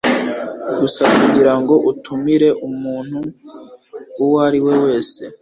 gusa kugirango utumire umuntu uwo ari we wese